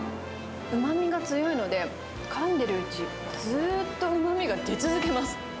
うまみが強いので、かんでるうち、ずーっとうまみが出続けます。